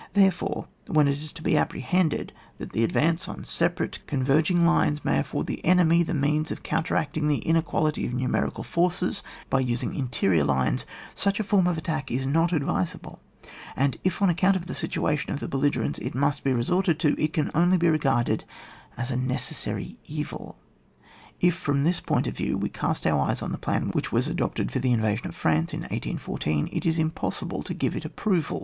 Therefore, when it is to be apprehended that the advance on separate converging lines may afford the enemy the means of counteracting the inequality of numerical forces by using interior lines, such a form of attack is not advisable ; and if on ac count of the situation of the belligerents, it must be resorted to, it can only be re garded as a necessaTy evil. If, from this point of view, we cast our eyes on the plan which was adopted for the invasion of France iu 1814, it is impossible to give it approval.